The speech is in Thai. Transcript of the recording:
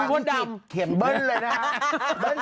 อ่ามีมดดำเขียนเบิ้ลเลยนะ